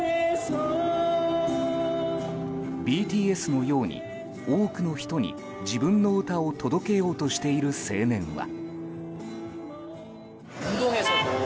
ＢＴＳのように、多くの人に自分の歌を届けようとしている青年は。